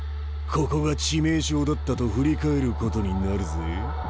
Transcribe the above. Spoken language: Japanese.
ここが致命傷だったと振り返ることになるぜ。